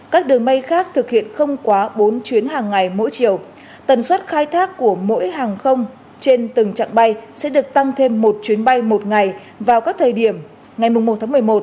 các đường bay khác thực hiện không quá bốn chuyến hàng ngày mỗi chiều tần suất khai thác của mỗi hàng không trên từng trạng bay sẽ được tăng thêm một chuyến bay một ngày vào các thời điểm ngày một tháng một mươi một